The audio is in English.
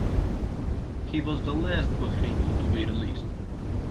He was the last Bahraini to be released.